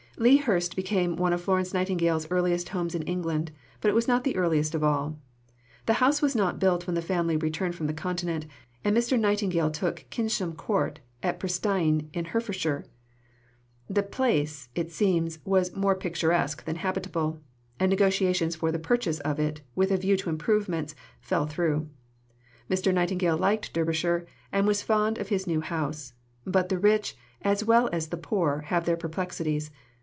Lea Hurst became one of Florence Nightingale's earliest homes in England, but it was not the earliest of all. The house was not built when the family returned from the Continent, and Mr. Nightingale took Kynsham Court, Presteigne, in Herefordshire. The place, it seems, was "more picturesque than habitable," and negotiations for the purchase of it, with a view to improvements, fell through. Mr. Nightingale liked Derbyshire, and was fond of his new house; but the rich, as well as the poor, have their perplexities.